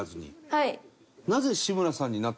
はい。